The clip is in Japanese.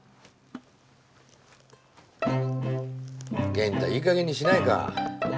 ゲンタいいかげんにしないか？